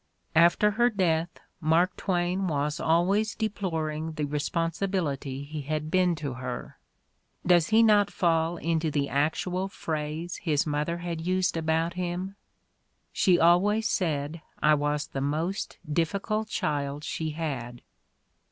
After her death Mark Twain was always deploring the respon sibility he had been to her. Does he not fall into the actual phrase his mother had used about him? — "she always said I was the most difficult child she had.